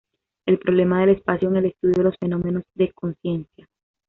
El problema del espacio en el estudio de los fenómenos de conciencia.